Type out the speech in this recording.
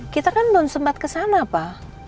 kita kan belum sempat kesana pak